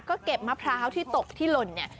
ก็เก็บมะพร้าวที่ตกที่หล่นเนี่ย